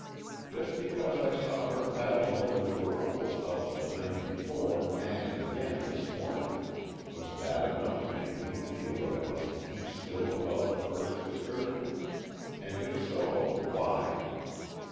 Just because I saw her paddling over to her uncle's house the night before and again this morning, was that enough to make me feel that I must keep still about the first excursion? And, if so, why?